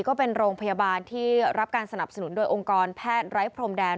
ก็เป็นโรงพยาบาลที่รับการสนับสนุนโดยองค์กรแพทย์ไร้พรมแดน